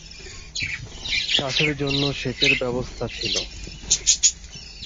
চাষের জন্য সেচের ব্যবস্থা ছিল।